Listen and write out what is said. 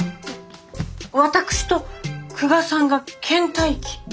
私と久我さんがけん怠期？